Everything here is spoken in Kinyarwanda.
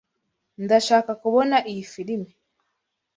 Ndashaka kubona iyi firime.